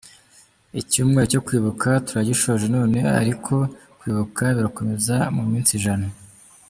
Icyumweru cyo kwibuka turagishoje none ariko kwibuka birakomeza mu minsi ijana.